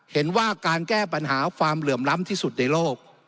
เห็นว่าการแก้ปัญหาความเหลื่อมล้ำที่สุดในโลก